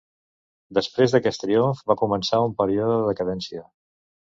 Després d'aquest triomf va començar un període de decadència.